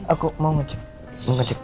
aku mau ngecek